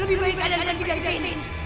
lebih baik kalian pergi dari sini